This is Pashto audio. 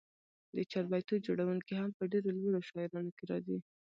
د چاربیتو جوړوونکي هم په ډېرو لوړو شاعرانو کښي راځي.